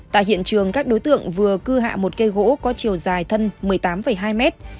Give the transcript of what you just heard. tại hiện trường các đối tượng vừa cư hạ một cây gỗ có chiều dài thân một mươi tám hai mét